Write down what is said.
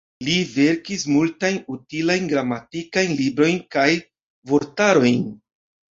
Li verkis multajn utilajn gramatikajn librojn kaj vortarojn.